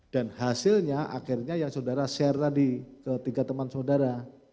dan hasilnya akhirnya yang saudara share tadi ke tiga teman saudara